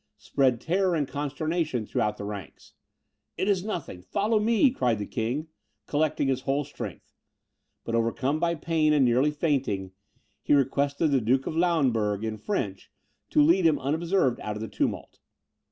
spread terror and consternation through all the ranks. "It is nothing follow me," cried the king, collecting his whole strength; but overcome by pain, and nearly fainting, he requested the Duke of Lauenburg, in French, to lead him unobserved out of the tumult.